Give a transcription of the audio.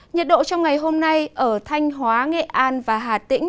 nhiệt độ trong ngày hôm nay ở thanh hóa nghệ an và hà tĩnh